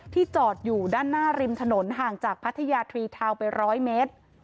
จอดอยู่ด้านหน้าริมถนนห่างจากพัทยาทรีทาวน์ไป๑๐๐เมตร